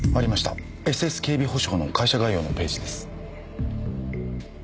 ＳＳ警備保障の会社概要のページです。